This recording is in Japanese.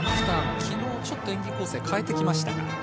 昨日ちょっと演技構成変えてきましたか。